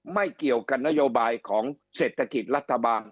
ไม่เกี่ยวกับนโยบายของเศรษฐกิจรัฐบาล